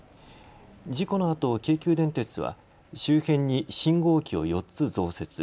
事故のあと京急電鉄は周辺に信号機を４つ増設。